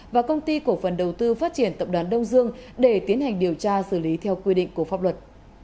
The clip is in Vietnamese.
và công ty cổ phần đầu tư phát triển tập đoàn đông dương để tiến hành điều tra xử lý theo quy định của pháp luật